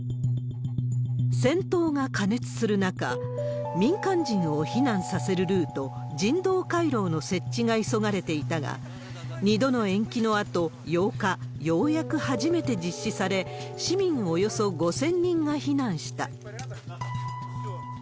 戦闘が過熱する中、民間人を避難させるルート、人道回廊の設置が急がれていたが、２度の延期のあと、８日、ようやく初めて実施され、市民およそ５０００人が避難した。